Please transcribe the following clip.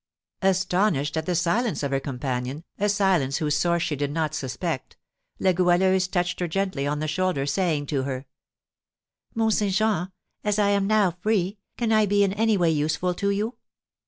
Astonished at the silence of her companion, a silence whose source she did not suspect, La Goualeuse touched her gently on the shoulder, saying to her: "Mont Saint Jean, as I am now free, can I be in any way useful to you?"